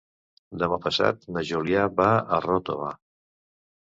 Demà passat na Júlia va a Ròtova.